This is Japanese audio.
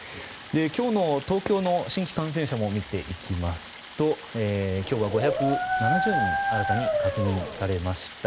今日の東京の新規感染者も見ていきますと今日は５７０人新たに確認されました。